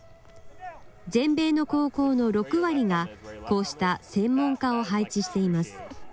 全米の高校の６割が、こうした専門家を配置しています。